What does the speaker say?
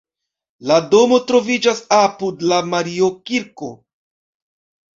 La domo troviĝas apud la Mario-kirko.